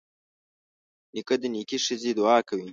نیکه د نیکې ښځې دعا کوي.